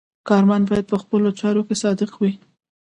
کارمند باید په خپلو چارو کې صادق وي.